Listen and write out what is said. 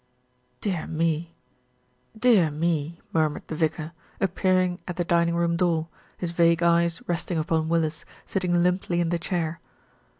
"Dear me, dear me !" murmured the vicar, appear ing at the dining room door, his vague eyes resting upon Willis, sitting limply in the chair.